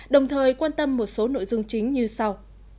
đồng thời quan tâm một số nội dung chính như sau